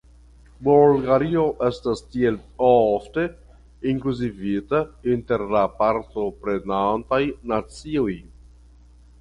Bulgario estas tiel ofte inkluzivita inter la partoprenantaj nacioj.